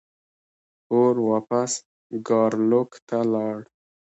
اور واپس ګارلوک ته لاړ.